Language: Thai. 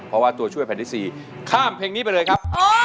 เพราะว่าตัวช่วยแผ่นที่๔ข้ามเพลงนี้ไปเลยครับ